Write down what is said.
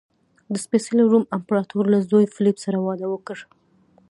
د سپېڅلي روم امپراتور له زوی فلیپ سره واده وکړ.